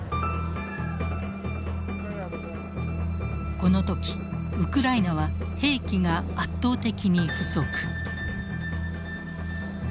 この時ウクライナは兵器が圧倒的に不足。